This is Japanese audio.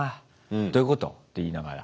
「どういうこと？」って言いながら。